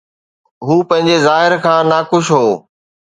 هو پنهنجي ظاهر کان ناخوش هو.